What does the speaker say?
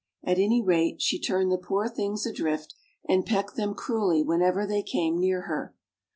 At any rate, she turned the poor things adrift and pecked them cruelly whenever they came near her.